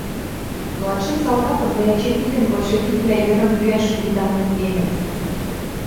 Луатшӹм салтакым дӓ эче тидӹм большевиквлӓ йыдым лӱӓш вуйта нӓнгенӹт.